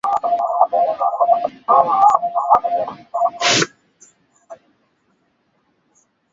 mbili na kumi alitunukiwa shahada hiyo Nape amemuoa Rhobi ana watoto wawili Jaydan na